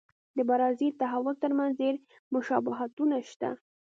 د برازیل د تحول ترمنځ ډېر مشابهتونه شته.